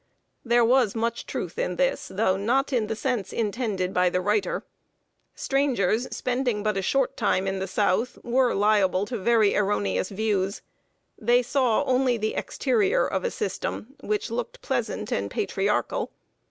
There was much truth in this, though not in the sense intended by the writer. Strangers spending but a short time in the South were liable to very erroneous views. They saw only the exterior of a system, which looked pleasant and patriarchal.